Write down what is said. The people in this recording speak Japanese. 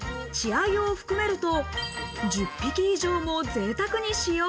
稚鮎を含めると１０匹以上もぜいたくに使用。